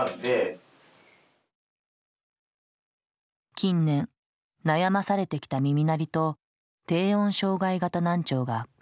近年悩まされてきた耳鳴りと低音障害型難聴が悪化。